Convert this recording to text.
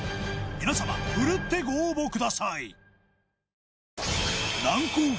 皆様、奮ってご応募ください